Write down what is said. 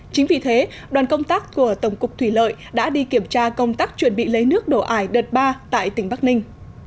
chính vì thế đoàn công tác của tổng cục thủy lợi đã đi kiểm tra công tác chuẩn bị lấy nước đổ ải đợt ba tại tỉnh bắc ninh